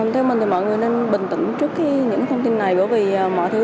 theo mình thì mọi người nên bình tĩnh trước những thông tin này bởi vì mọi thứ